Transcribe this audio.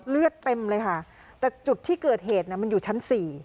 เลือดเต็มเลยค่ะแต่จุดที่เกิดเหตุมันอยู่ชั้น๔